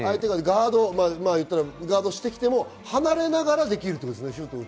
ガードをしてきても離れながらできるってことですね。